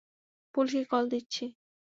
পুলিশকে কল দিচ্ছি।